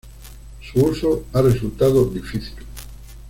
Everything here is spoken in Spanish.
Su uso ha resultado difícil.